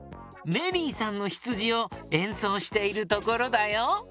「メリーさんのひつじ」をえんそうしているところだよ。